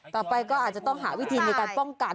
ต่อไปก็อาจจะต้องหาวิธีในการป้องกัน